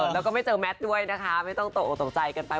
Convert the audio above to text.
แล้วก็ไม่เจอแมทด้วยนะคะไม่ต้องตกออกตกใจกันไป